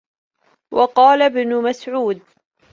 وَقَالَ ابْنُ مَسْعُودٍ